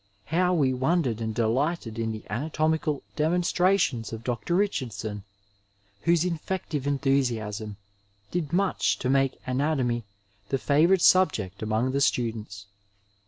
How we wondered and de* lighted in the anatomical demonstrations of Dr. Richard* son, whose infective enthusiasm did much to make ana tomy the favourite subject among the students.